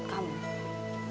aku sekarang ngerti maksud kamu